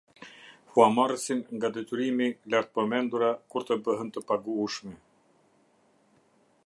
Huamarrësin nga detyrimi lartpërmendura, kur të bëhen të paguueshme.